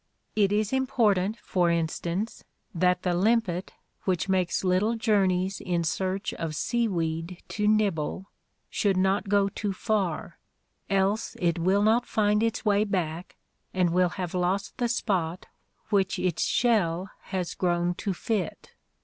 It is important, for in stance, that the limpet which makes little journeys in search of seaweed to nibble should not go too far, else it will not find its way back, and will have lost the spot which its shell has grown to fit.